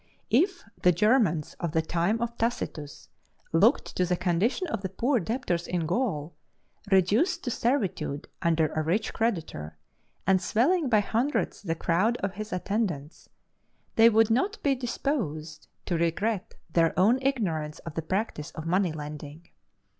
If the Germans of the time of Tacitus looked to the condition of the poor debtors in Gaul, reduced to servitude under a rich creditor, and swelling by hundreds the crowd of his attendants, they would not be disposed to regret their own ignorance of the practice of money lending.